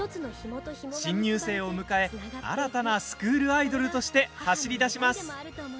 新入生を迎え新たなスクールアイドルとして走り出します。